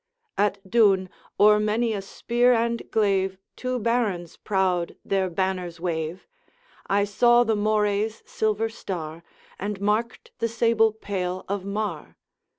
'At Doune, o'er many a spear and glaive Two Barons proud their banners wave. I saw the Moray's silver star, And marked the sable pale of Mar.'